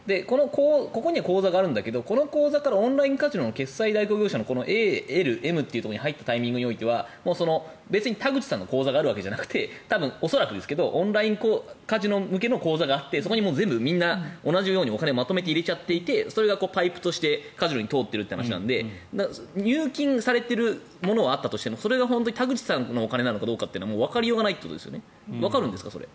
ここには口座があるんだけどこの口座からオンラインカジノの決済代行業者のこのＡ、Ｌ、Ｍに入ったタイミングでは別に田口さんの口座があるわけじゃなくて恐らくですけどオンラインカジノ向けの口座があってそこに全部同じようにお金をまとめて入れちゃっていてそこがパイプとしてカジノに通っているという話なので入金されているお金があったとしてもそれが本当に田口さんのお金かどうかわかりようがないということなんですよねわかるんですか？